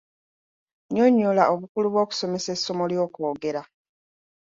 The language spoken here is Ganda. Nnyonnyola obukulu bw'okusoma essomo ly'okwogera.